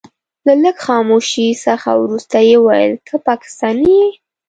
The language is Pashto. له لږ خاموشۍ څخه وروسته يې وويل ته پاکستانی يې.